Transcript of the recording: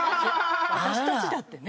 私たちだってね。